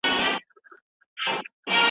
روژه دماغ "کیتوني" حالت ته داخلوي.